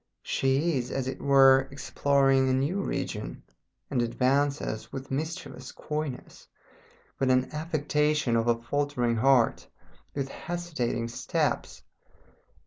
She is, as it were, exploring a new region, and advances with mischievous coyness, with an affectation of a faltering heart, with hesitating steps.